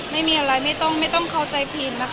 ไม่มีอะไรไม่ต้องเข้าใจผิดนะคะ